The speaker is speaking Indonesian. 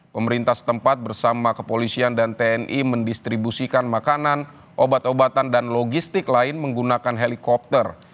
pemerintah setempat bersama kepolisian dan tni mendistribusikan makanan obat obatan dan logistik lain menggunakan helikopter